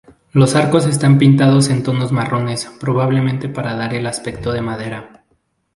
Los arcos están pintados en tonos marrones, probablemente para dar el aspecto de madera.